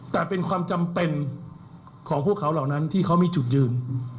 แต่เป็นความจำเป็นของพวกเขาเหล่านั้นที่เขามีจุดยืน